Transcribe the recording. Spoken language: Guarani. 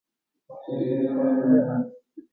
Mba'érepa upéva